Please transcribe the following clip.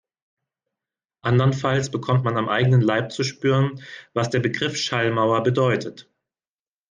Andernfalls bekommt man am eigenen Leib zu spüren, was der Begriff Schallmauer bedeutet.